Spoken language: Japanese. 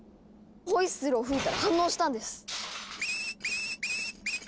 ホイッスルを吹いたら反応したんです！